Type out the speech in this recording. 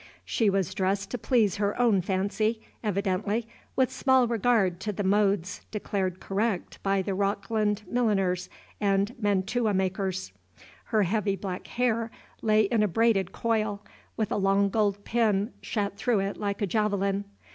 She was dressed to please her own fancy, evidently, with small regard to the modes declared correct by the Rockland milliners and mantua makers. Her heavy black hair lay in a braided coil, with a long gold pin shat through it like a javelin.